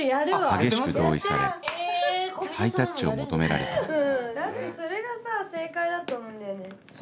激しく同意されハイタッチを求められただってそれがさぁ正解だと思うんだよね。